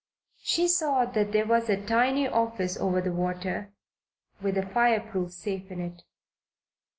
She saw that there was a tiny office over the water, with a fireproof safe in it.